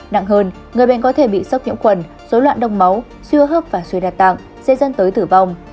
nặng hơn người bệnh có thể bị sốc nhiễm khuẩn dối loạn đông máu suy hấp và suy đạt tạng dễ dân tới tử vong